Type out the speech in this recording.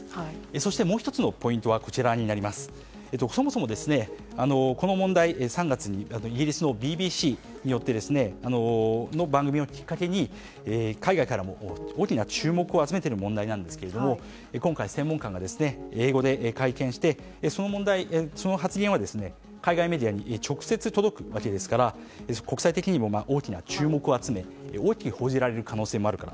そして、もう１つのポイントはそもそも、この問題３月にイギリスのＢＢＣの番組をきっかけに海外からも大きな注目を集めている問題なんですけど今回、専門家が英語で会見してその発言は海外メディアに直接届くわけですから国際的にも大きな注目を集め大きく報じられる可能性があると。